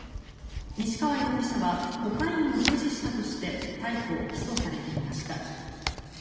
西川容疑者はコカインを所持したとして逮捕・起訴されていました。